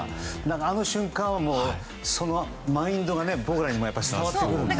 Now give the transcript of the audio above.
あの瞬間のマインドが僕らにも伝わってくるんですよね。